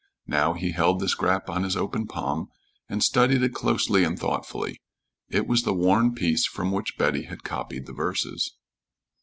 Now he held the scrap on his open palm and studied it closely and thoughtfully. It was the worn piece from which Betty had copied the verses.